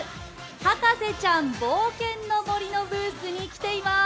博士ちゃん冒険の森のブースに来ています。